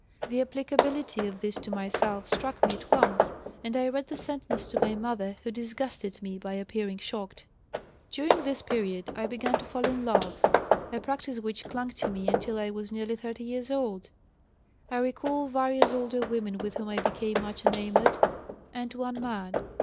The applicability of this to myself struck me at once, and I read the sentence to my mother who disgusted me by appearing shocked. "During this period I began to fall in love, a practice which clung to me until I was nearly 30 years old. I recall various older women with whom I became much enamored, and one man.